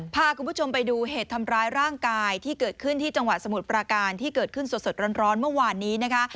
พาคุณผู้ชมไปดูเหตุทำร้ายร่างกายที่เกิดขึ้นที่จังหวัดสมุทรปราการที่เกิดขึ้นสดร้อนเมื่อวานนี้นะคะ